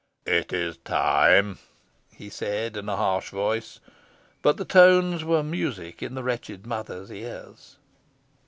"It is time," he said, in a harsh voice; but the tones were music in the wretched mother's ears.